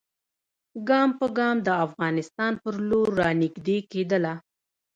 ګام په ګام د افغانستان پر لور را نیژدې کېدله.